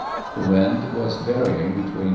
The wind was varying between N.